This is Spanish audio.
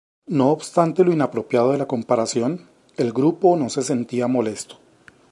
No obstante lo inapropiado de la comparación, el grupo no se sentía molesto.